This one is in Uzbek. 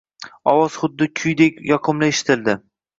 Ovoz xuddi kuydek yoqimli eshitildi